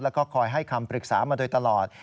แล้วก็คอยให้คำปรึกษามาโดยตลอด